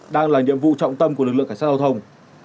đang là nhiệm vụ trọng tâm của lực lượng cảnh sát giao thông